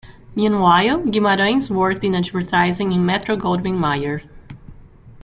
Meanwhile, Guimarães worked in advertising in Metro Goldwyn-Mayer.